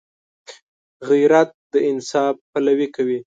غیرت د انصاف پلوي کوي